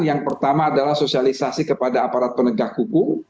yang pertama adalah sosialisasi kepada aparat penegak hukum